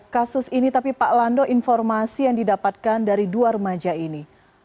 kasus ini tapi pak lando informasi yang didapatkan dari dua remaja ini